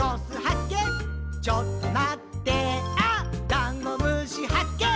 ダンゴムシはっけん